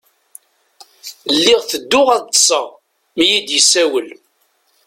Lliɣ tedduɣ ad ṭṭṣeɣ mi i iyi-d-yessawel.